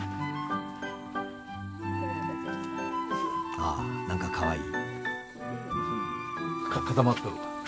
ああ何かかわいい。